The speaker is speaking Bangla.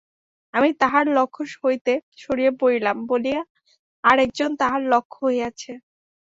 আমি তাহার লক্ষ্য হইতে সরিয়া পড়িলাম বলিয়া আর একজন তাহার লক্ষ্য হইয়াছে।